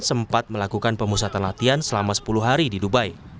sempat melakukan pemusatan latihan selama sepuluh hari di dubai